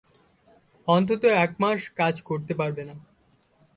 অন্তত এক মাস কাজ করতে পারবে না।